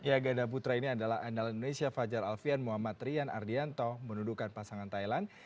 ya ganda putra ini adalah andalan indonesia fajar alfian muhammad rian ardianto menuduhkan pasangan thailand